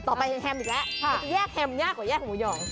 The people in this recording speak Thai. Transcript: ต่อไปแฮมอีกแล้วแยกแฮมยากกว่าแยกหมูหย่อง